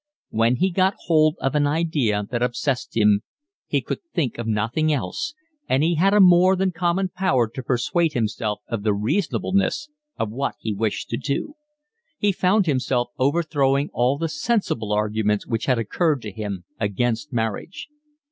When he got hold of an idea it obsessed him, he could think of nothing else, and he had a more than common power to persuade himself of the reasonableness of what he wished to do. He found himself overthrowing all the sensible arguments which had occurred to him against marriage.